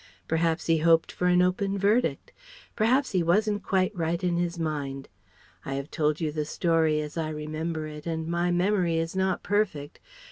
Perhaps he hoped for an open verdict. Perhaps he wasn't quite right in his mind. I have told you the story as I remember it and my memory is not perfect.